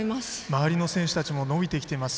周りの選手たちも伸びてきています。